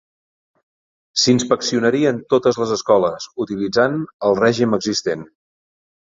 S'inspeccionarien totes les escoles, utilitzant el règim existent.